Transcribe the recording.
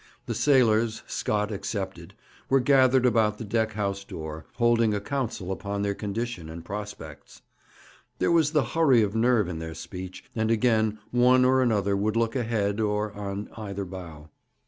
The sailors, Scott excepted, were gathered about the deck house door, holding a council upon their condition and prospects. There was the hurry of nerve in their speech, and again one or another would look ahead, or on either bow.